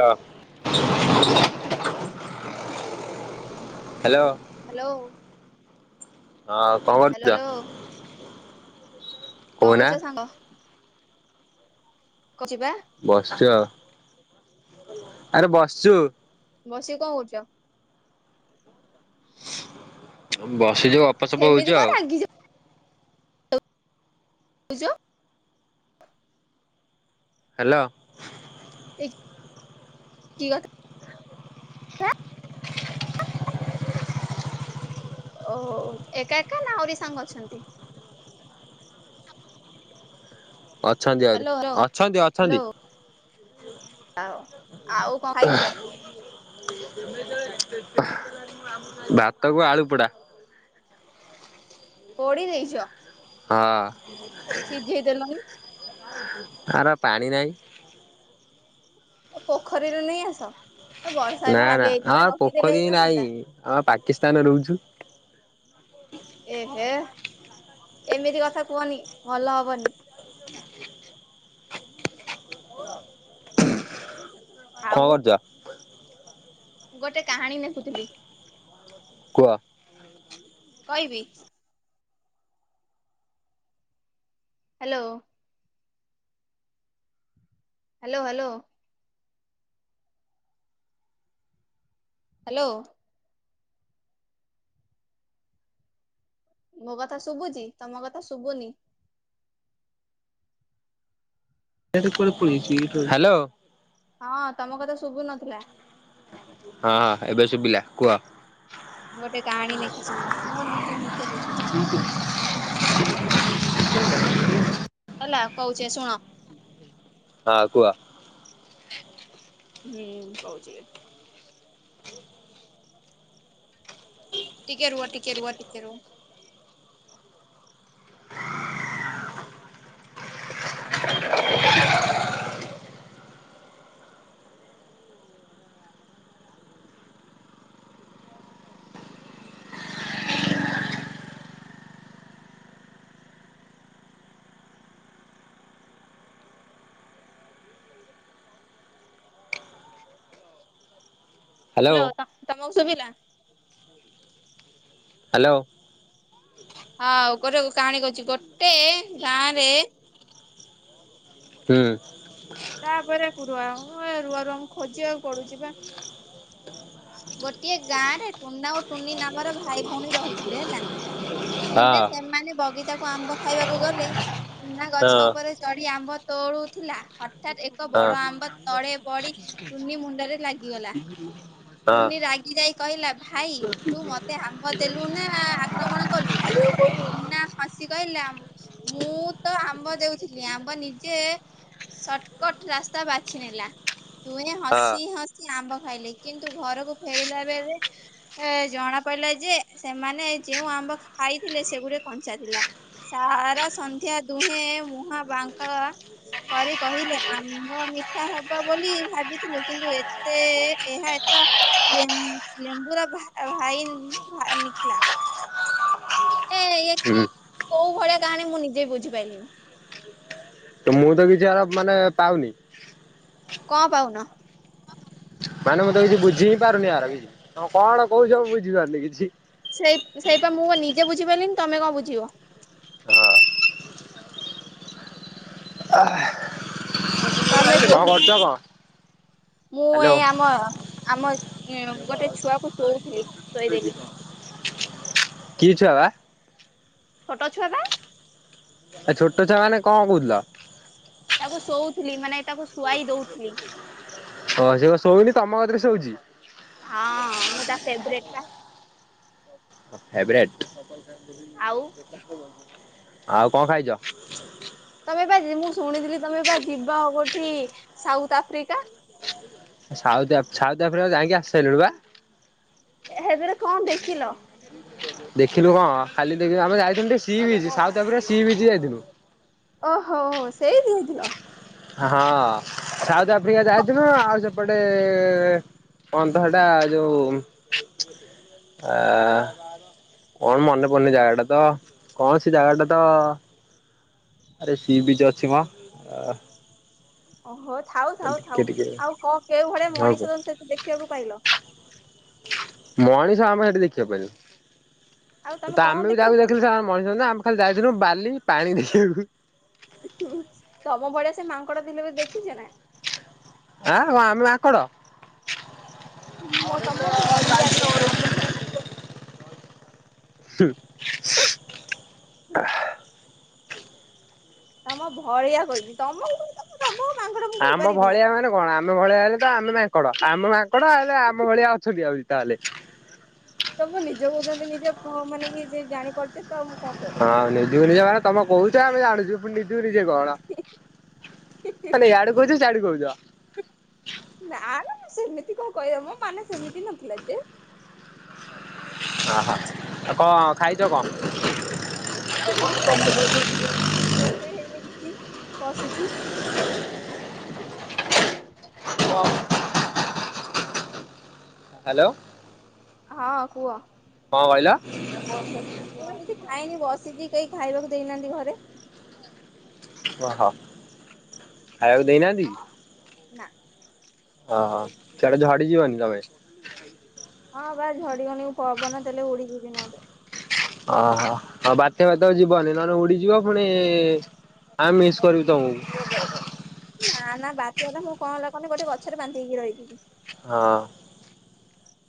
ହଁ [inaudible] hello. Hello. ହଁ କମରଛ? କ କଛ ସଙ୍ଗ? ବସିଛ? ଆରେ ବସିଛୁ ବସିକି କଣ କରୁଛ? ବାସ୍ ସେ ଯୋଉ ଅପସପ ସେମିତି ହଉଛି କଣ ଆଉ। ରାଗି ବଜ ହାଲୋ। କି କଥା ଓ ଏକା ଏକା ନା ଆହୁରି ସାଙ୍ଗ ଅଛନ୍ତି? ଆ ଅଛନ୍ତି ଆ ହ୍ୟାଲୋ ହ୍ୟାଲୋ ଅଛନ୍ତି ଅଛନ୍ତି। ହଁ। ହଉ। ଆଉ କଣ ଖାଇଛ? ଭାତକୁ ଆଳୁ ପୋଡା। ପୋଡ଼ି ଦେଇଛ। ହଁ। [unintelligible] ସିଝେଇ ଦେଲନି ଆର ପାଣି ନାହିଁ ପୋଖରରୁ ନେଇ ଆସ ଏ ବର୍ଷା ନା ଏବେ ହାଲି ନା ହେଇଥିଲା ଆମର ରଖିଦେଲେ ପୋଖରୀ ହେଇନଥାନ୍ତା ନାହିଁ ଆମ ପାକିସ୍ତାନରେ ରହୁଛୁ। ଏହେ ଏମିତି କଥା କୁହନି। ଭଲ ହବନି। କଣ ଆଉ କରୁଚ? ଗୋଟେ କାହାଣୀ ଲେଖୁଥିଲି। କୁହ? କହିବି? ହାଲୋ। Hello hello. ହାଲୋ। ମୋ କଥା ଶୁଭୁଚି? ତମ କଥା ଶୁଭୁନି। [unintelligible] ହାଲୋ। ହଁ ତମ କଥା ଶୁଭୁ ନଥିଲା। ହଁ, ଏବେ ଶୁଭିଲା କୁହ। ଗୋଟେ କାହାଣୀ ଲେଖିଚି ମୁଁ। ମୁଁ ମୁଁ ନିଜ ଲେଖିଚି। [inaudible] ହେଲା କହୁଚି ଶୁଣ। ହଁ କୁହ। ହୁଁ କହୁଚି। ଟିକେ ରୁହ ଟିକେ ରୁହ ଟିକେ ରୁହ। Hello hello. ତ-ତମେ ମକୁ ଶୁଭିଲା? ହାଲୋ। ହଁ, ଗୋଟେ କାହାଣି କହୁଚି। ଗୋଟେ ଗାଁ ରେ ହୁଁ। ତାପରେ ରୁଆ ରୁଆ ରୁମ ଖୋଜିବାକୁ ପଡୁଚି ବା। ଗୋଟିଏ ଗାଁ ରେ ଟୁନା ଓ ଟୁନି ନାମର ଭାଇ ଭଉଣୀ ରହୁଥିଲେ, ହେଲା। ହଁ ଦିନେ ସେମାନେ ବଗିଚାକୁ କୁ ଆମ୍ବ ଖାଇବାକୁ ଗଲେ ଟୁନା ହଁ ଗଛ ଉପରେ ଚଢି ଆମ୍ବ ତୋଳୁଥିଲା ହ ହଠାତ୍, ଏକ ହଁ ବଡ ଆମ୍ବ ତଳେ ପଡି ଟୁନି ମୁଣ୍ଡରେ ଲାଗିଗଲା। ହଁ ଟୁନି ରାଗି ଯାଇ କହିଲା, ଭାଇ ତୁ ମତେ ଆମ୍ବ ଦେଲୁ ନା ଆକ୍ରମଣ କଲୁ? ଟୁନା ହ ସି କହିଲା, ମୁଁ ତ ଆମ୍ବ ଦେଉଥିଲି ଆମ୍ବ ନିଜେ ସର୍ଟକଟ ରାସ୍ତା ବାଛି ନେଲା। ଦୁହେଁ ହସି ହସି ସେଇ ଆମ୍ବ ଖାଇଲେ। କିନ୍ତୁ ଘରକୁ ଫେରିଲା ବେଳେ ଏ ଜଣା ପଡିଲା ଯେ ସେମାନେ ଯେଉଁ ଆମ୍ବ ଖାଇଥିଲେ ସେଗୁଡେ କଞ୍ଚା ଥିଲା। ସାରା ସନ୍ଧ୍ୟା ଦୁହେଁ ମୁହାଁ ବାଙ୍କା କରି କହିଲେ ଆମ୍ବ ମିଠା ହବ ବୋଲି ଭାବିଥିଲୁ କିନ୍ତୁ ଏତେ ଏହା ଏତ ଲେମ୍ଵୁ ଲେମ୍ବୁର ଭାଇ- ଇ- ଇ ନିକ୍ଲା। ଏ ଇ ହଁ କୋଉ ଭଳିଆ କାହାଣୀ ମୁଁ ନିଜେ ବି ବୁଝିପାରିଲିନି? ମୁଁ ତ କିଛି ଆର ମାନେ ପାଉନି। କଣ ପାଉନ? ମାନେ ମୁଁ ତ କିଛି ବୁଝି ହିଁ ପାରୁନି ଆର କିଛି ତମେ କଣ କହୁଚ ମୁଁ ବୁଝି ପାରୁନି କିଛି। ସେଇ ସେଇପା ମୁଁ ନିଜେ ବୁଝିପାରିଲିନି, ତମେ କଣ ବୁଝିବ? ତମେ କୁହ କଣ କରୁଛ ସେଠୁ, କଣ? ମୁଁ ଏ ହ୍ୟାଲୋ ଆମ ଆମ ଉ ଗୋଟେ ଛୁଆକୁ ଶୋଉଥିଲି। ଶୋଇଦେଲି କିଚିଆ ବାବା? ଛୋଟ ଛୁଆବା। ଆ ଛୋଟ ଛୁଆ ମାନେ କଣ କହୁଥିଲ। ତାକୁ ଶୋଉଥିଲି ମାନେ ତାକୁ ଶୁଆଇ ଦଉଥିଲି। ହଁ ସେ କ ଶଉନି ତମ କତିରେ ଶଉଛି। ହଁ ମୁଁ ତା ଫେବେରେଟେ ପା। ଫେବ୍ରେଟେ। ଆଉ। ଆଉ କଣ ଖାଇଛ? ତମେ ବା ମୁଁ ଶୁଣିଥିଲି ତମେ ବା ଯିବ ହ କୋଠି ସାଉଥ ଆଫ୍ରିକା। ସାଉ ସାଉଥ ଆଫ୍ରିକା ଯାଇକି ଆସି ସାରିଲୁ ବା। ହେଦରେ କଣ ଦେଖିଲ? ଦେଖିଲୁ କଣ ଖାଲି ଦେଖିଲୁ ଆମେ ଯାଇଥିଲୁ C B south Africa C B ଯାଇଥିଲୁ। ଓହୋ ହୋ ସେଇଠ ହେଇଥିଲ? ହଁ ସାଉଥ ଆଫ୍ରିକା କ- ଯାଇଥ ନା ଆଉ ସେପଟେ କଣ ତ ସେଟା ଯୋଉ ଆ କଣ ମନେ ପର୍ନି ଜାଗାଟା ତ କଣସି ଜାଗାଟା ତ ଆରେ ସିଏ ବି ଯ ଅଛି ମା। ଓହୋ। ଥାଉ ଥାଉ ଥାଉ ଆଉ କଣ କେଉଁ ଭଳିଆ ହଁ କୁହ। ମଣିଷ ତମ ସେଠି ଦେଖିବାକୁ ପାଇଲ। ମଣି ସା ଆମେ ସେଠି ଦେଖିବାକୁ ଆଉ ପିଲୁ। ତମେ ତ କଣ ଆମେ ବି ଦେଖିବାକୁ ତାକୁ ପାଇଲ? ଦେଖିଲୁ ମଣିଷ ଆମେ ଖାଲି ଯାଇ ଦିନ ବାଲି ପାଣି ଦେଇୁ। ତମ ଭଳିଆ ସେ ମାଙ୍କଡା ଥିଲେ ବି ଦେଖିଛେ ନା? ଆଁ ଆମେ ମାଙ୍କଡ। ମଁ ତମ ଭଲିଆକହି। ହୁଁ। ତ [inaudible] ତମ ଭଳିଆ କହିଛି ତମକୁ ତ ଆମ ଭଳିଆ ମାନେ କଣ ଆମେ ଭଳିଆ ହେଲେ ତ ଆମେ ମାଙ୍କଡ ଆମ ମାାଙ୍କଡ ଆ ଆମ ଭଳିଆ ଅଛନ୍ତି ଆହୁରି ତାହେଲେ। ସବୁ ନିଜକୁ ଚନ୍ତୀ ନିଜେ ଅ ମାନେ ଇଏ ଯେ ଜାଣି ପାରୁଚ ହଁ ନିଜକୁ ନିଜ ମାନେ ତମେ କହୁ ଆମେ ଜାଣୁଚୁ ପୁଣି ନି ନିଜେ କଣ ମାନେ ୟାଡୁ କହୁଚ ସିଆଡୁ କହୁଚ। ନା ନା ସେମିତି କଣ କହିବ ମଁ ମାନେ ସେମିତି ନଥିଲା ଯେ। ଓହୋ ଆଉ କଣ ଖାଇଛ କଣ? ମୁଁ ପା କିଛି ଖାଇନି ବା ରୋଷେଇ ହେଇନି କି ଛି ବସିଛି। [inaudible] ହାଲୋ। ହଁ କୁହ। କଣ କହିଲ? ମୁଁ ଏମତି ଖାଇନି ବସିଛି କେହି ଖାଇବାକୁ ଦେଇନାହାନ୍ତି ଘରେ। ଓ ହୋ। ଖାଇବାକୁ ଦେଇନାହାନ୍ତି ହଁ କି? ନା। ଓ ହୋ ସିଆଡ଼େ ଝଡି ଯିବନି ତମେ। ହଁ ବା ଝଡିଗନି ପବନ ଦେଲେ ଉଡିଯିବି ନହେଲେ। ଓହୋ ଆଉ ବାତ୍ୟା ଫାତ୍ୟା କୁ ଯିବନି ନହେନେ ଉଡିଯିବ ପୁଣି ଆଁ ମିସ୍ କରିବି ତମକୁ। ନା ନା ବାତ୍ୟା ହେଲା ମୁଁ କଣ ହେଲା କହନି ଗୋଟେ ଗଛରେ ବାନ୍ଧି ହେଇକି ରହିଯିବି। ହଁ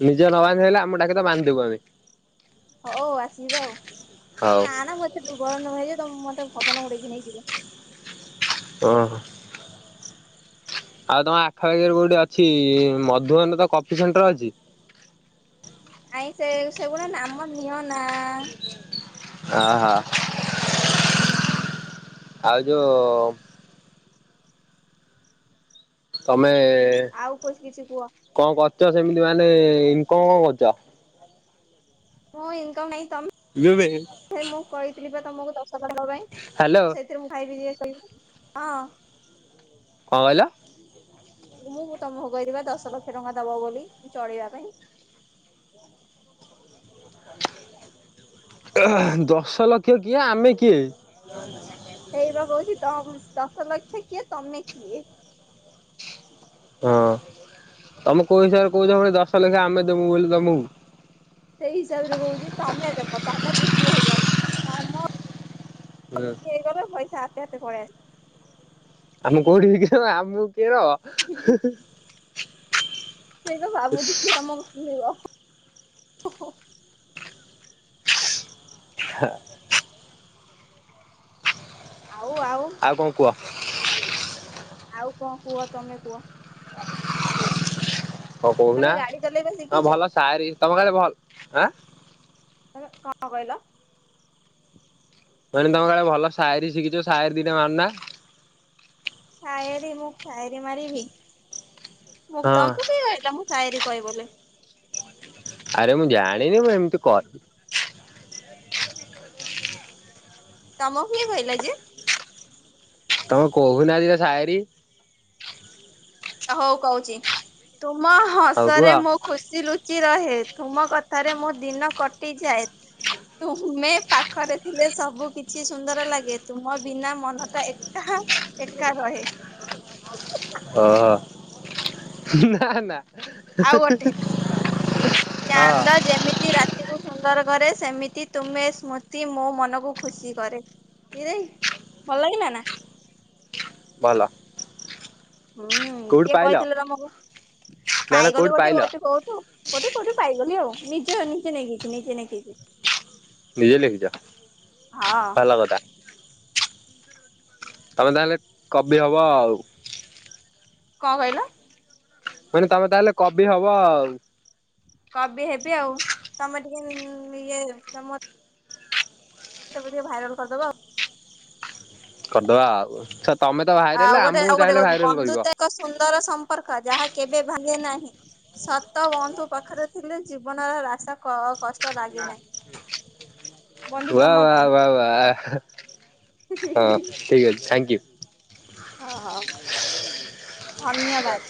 ନିଜେ ନ ବାନ୍ଧି ହେଲେ ଆମକୁ ଡାକି ଦବ ବାନ୍ଧି ଦବୁ ଆମେ। ହଉ ଆସିବ ଆଉ। ହଉ ନା ନା ମୁଁ ଏତେ ଦୁ ର୍ବଳ ନୁହେଁ ଯେ ତମେ ମତେ ପବନ ଉଡେଇକି ନେଇଯିବ। ଓ ହୋ। ଆଉ ତମ ଆଖପାଖିରେ କୋଉଠି ଅଛି ମଧୁବନରେ ତ କଫି ସେଣ୍ଟର ଅଛି? ଆଇଁ ସେ ସେଗୁଡା ନାମ ନିଅ ନା। ଆହା। ଆଉ ଯୋଉ ତମେ ଆଉ କିଛି କିଛି କୁହ। କଣ କରୁଛ ସେମିତି ମାନେ କଣ କଣ କରୁଛ? ମୁଁ ଇନକମ ନାଇଁ ହ୍ୟାଲୋ ତମେ ମୁଁ କହିଥିଲି ପା ତମକୁ ସକାଳ ପାଇଁ କଣ ସେଥିରେ ମୁଁ ଖାଇବି ଯେ ହଁ। କଣ କହିଲ? ମୁଁ ତମକୁ କହିଥିଲି ପା ଦଶ ଲକ୍ଷ ଟଙ୍କା ଦବ ବୋଲି ଚଳେଇବା ପାଇଁ। ଦଶ ଲକ୍ଷ କିଏ ଆମେ କିଏ? ସେଇବା କହୁଛି ତମ ଦଶ ଲକ୍ଷ କିଏ ତମେ କିଏ? ହଁ ତମେ କୋଉ ହିସାବରେ କହୁଛ ପୁଣି ଦଶ ଲକ୍ଷ ଆମେ ଦବୁ ବୋଲି ତମକୁ? ସେଇ ହିସାବରେ କହୁଛି ତମେ ଦେଖ ତମେ ବିକି ହେଇଯାଅ। କାମ ହୁଁ ବିକି ହେଇକର ପଇସା ନିହାତି ପଳେଇ ଆମ କୋଉଠି ଆମ [unintelligible] ସେଇ ତ ଭାବୁଛି କିଏ ତମକୁ କିଣିବ ଓ ହୋ। ହଁ। ଆଉ ଆଉ। କଣ କୁହ? ଆଉ କଣ କୁହ ତମେ କୁହ? ହ କହୁ ତମେ ନା ଗାଡି ଚଲେଇବା ହଁ ଶିଖିଛ ଭଲ ସାରି ତମ କାେ ଭଲ ଆଁ। କ କଣ କହିଲ? ତମ କଣ ଭଲ ସାଇରୀ ଶିଖିଛ ସାଇରୀ ଦିଟେ ମାରାନା ଶାୟରି ମୁଁକ ଶାୟରି ମାରି ବିି ମୁଁ ହଁ ତମ ତୁ କିିଲ ମୁଁ ସାଏରି କହିବୋ ଆରେ ମୁଁ ଜାଣିନି ମୁ ଏମିତି କର ତମକୁ କିଏ କହିଲା ଯେ ତମେ କହୁହୁ ନାଟେ ସାହିରୀ ହଉ କହୁଛି ତୁ ମୋ ହଉ କୁହ ହସରେ ମୁଁ ଖୁସି ଲୁ ଚି ରହେ ତୁମ କଥାରେ ମୋ ଦିନ କଟିଯାଏ ତୁମେ ପାଖରେ ଥିଲେ ସବୁ କିଛି ସୁନ୍ଦର ଲାଗେ ତୁମ ବିନା ମନଟା ଏକା ଏକା ରହେ ଓହୋ ନା ନା। ଆଉ ଗୋଟେ [inaudible] ହଁ। ର କରେ ସେମିତି ତୁମେ ସ୍ମୃତି ମୋ ମନକୁ ଖୁସି କରେ ଭଲ ଲାଗିଲ ନା ଭଲ। ହୁଁ କୋଉଠୁ କିଏ ପାଇଲ? କହିଥିଲେ ତମକୁ ନା ନା ପାଇଗଲି କୋଉଠି ଗୋଟେ ପାଇଲ କ କହୁଛୁ କୋଉଠି ଗୋଟେ କୋଉଠି ପାଇଗଲି ଆଉ। ନିଜେ ହ ନିଜେ ନେଇଖିଛି ନିଜେ ନେଇକିଛି ନିଜେ ଲେଖୁଚ ହଁ ଭଲ କଥା। ତମେ ତାହେଲେ କବି ହବ ଆଉ। କଣ କହିଲ? ମାନେ ତମେ ତାହେଲେ କବି ହବ ଆଉ। କବି ହେବି ଆଉ ତମେ ଟିକେ ଇଏ ତମ ତେବେ ଟିକେ ଭାଇରାଲ କରିଦବ ଆଉ। କରିଦବା ଆଉ। ତମେ ତ ଭାଇରାଲ ଆଉ ଗୋଟେ ଆମକୁ ଆଉ ଗୋଟେ ଚାହିଁଲେ କହୁଚି ଭାଇରାଲ କରିବ। ବନ୍ଧୁତ୍ୱ ଏକ ସୁନ୍ଦର ସମ୍ପର୍କ। ଯାହା କେବେ ଭାଙ୍ଗେ ନାହିଁ ସତ ବନ୍ଧୁ ପାଖରେ ଥିଲେ ଜୀବନର ରାସ୍ତା କ କଷ୍ଟ ଲାଗେ ନାହିଁ। ବନ୍ଧୁ ବା ତମ ବା ପାଇଁ ବା ବା ହ ହଁ ଠିକ ଅଛି ଥାଙ୍କ ୟୁ। ହଁ ହଁ ଧନ୍ୟବାଦ।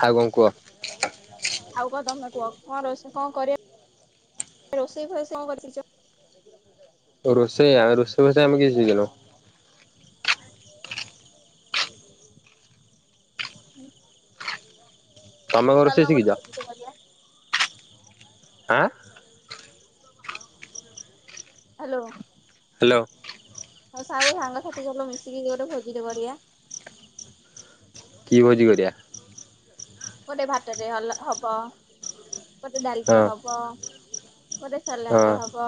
ହଁ ଆଉ କଣ କୁହ? ଆଉ କଣ ତମେ କୁହ କଣ ରୋସେ କଣ କରିବ ରୋଷେଇ ଫୋସେଇ କଣ କରି ଶିଖିଛ? ରୋଷେଇଆ ଆମେ ରୋଷେଇ ଫୋସେଇ ଆମେ କିଛି ଶିଖିନୁ। [inaudible] ହ ତମେ କଣ ରୋଷେଇ ସିଖିଚ? ଭୋଜିଟେ କରିବା ଆଁ ହାଲୋ। ହେଲୋ। ସବୁ ସାଙ୍ଗସାଥି ଚାଲୁନ ମିଶିକି ଗୋଟେ ଭୋଜିଟେ କରିବା। କି ଭୋଜିି କରିବା? ଗୋଟେ ଭାତ ଟେ ହଲ ହବ। ଗୋଟେ ଡାଲିଟେ ହଁ ହବ। ଗୋଟେ ସାଲାଡ ହଁ ଟେ ହବ।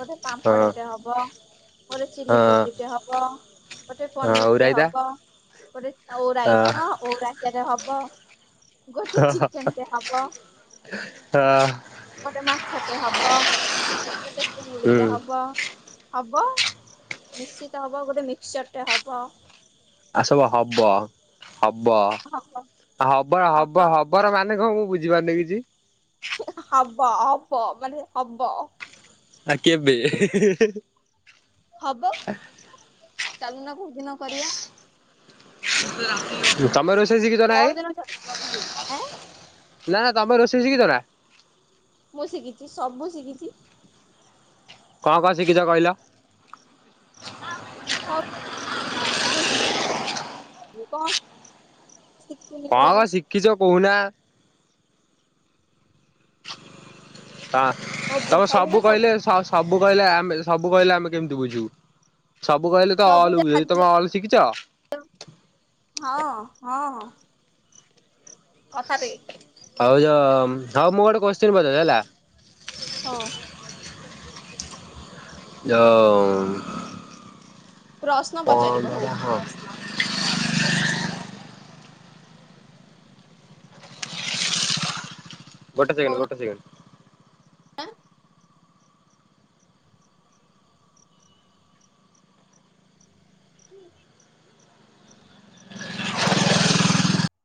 ଗୋଟେ ହଁ ପାମ୍ପଡ ଟେ ହବ। ଗୋଟେ ଚିଲି ହଁ କୋବି ଟେ ହବ। ଗୋଟେ ଆଉ ପନିର୍ ଟେ ରାଇତା ହବ। ପଡେ ଓଉ ରାଇଥା। ଓଟା କେରେ ହବ ଗୋଟେ ଚିକେନଟେ ହବ, ଗୋଟେ ମା ସେଟି ହବ। ତୋତେ ହୁଁ ଉନିଳୀଟେ ହବ ହବ, ନିଶ୍ଚିତ ହବ ଗୋଟେ ମିକ୍ସଚର ଟେ ହବ। ଆସବ ହବ। ହବ ହବ ଆ, ହବ, ହବ, ହବର ମାନେ କଣ ମୁଁ ବୁଝିପାରୁନି କିଛି। ହିଁ ହା ହବ ହବ ମାନେ ହବ। ଆ କେବେ ଏହେ ହେ ହେ ହେ। ହବ ଚାଲୁନ କୋଉଦିନ କରିବା? ତମ ରୋସେ ସେ କିତ ନାଇ ପରଦିନ ଚା ନା ନା ତମେ ରୋଷେଇ ସିଖିଚ ନା। ମୁଁ ଶଖିଚି ସବୁ ଶିଖିଚି। କଣ କଣ ଶିଖିଚ କହିଲ? ସବୁସି କି କଣ? ଶିଖିନି କଣ କଣ କହିଲ ଶିଖିଛ କହୁନା? ହଁ ତମେ ସବୁ କହିଲେ ସ ସ ସବୁ ସବୁ କହିଲେ ଆମେ ସବୁ କହିଲେ ଆମେ କେମିତି ବୁଝିବୁ ସବୁ କହିଲେ ତ ସବୁ ଅଲ୍ କୁ ଯାହା ବୁଝୋଉଚୁ ତମେ ଅଲ୍ ଶିଖିଚ। ହଁ ହଁ। କଥା ଦେଇ। ଭାଉଜ ହଉ ମୁ ଗୋଟେ କୋତ୍ସିନ୍ ପଚାରୁଛି ହେଲା। ହଉ ଯଉ ପ୍ରଶ୍ନ ପଚାରିବ ହଉ ପ୍ରଶ୍ନ? ଗୋଟେ ସେକେଣ୍ଡ ଗୋଟେ ସେକଣ୍ଡ। ଆଁ।